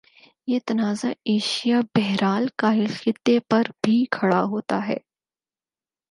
یہ تنازع ایشیا بحرالکاہل خطے پر بھی کھڑا ہوتا ہے